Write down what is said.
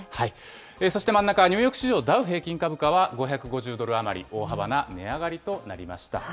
そして真ん中はニューヨーク市場、ダウ平均株価は５５０ドル余り、大幅な値上がりとなりました。